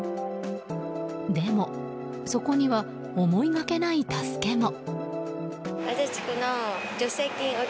でも、そこには思いがけない助けも。